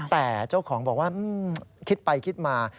แต่เจ้าของบอกว่าคิดไปคิดมา